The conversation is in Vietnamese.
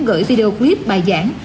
gửi video clip bài giảng